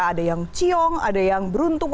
ada yang ciong ada yang beruntung